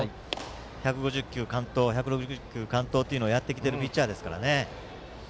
１５０球とか１６０球完投というのをやっているピッチャーですから。